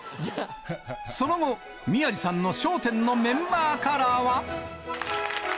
その後、宮治さんの笑点のメンバーカラーは。